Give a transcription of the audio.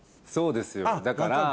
そうですよだから。